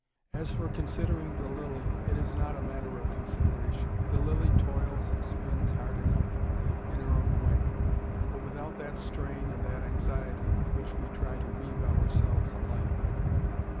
As for considering the lily, it is not a matter of consideration. The lily toils and spins hard enough, in her own way. But without that strain and that anxiety with which we try to weave ourselves a life.